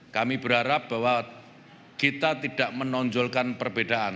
kami berharap bahwa kita tidak menonjolkan perbedaan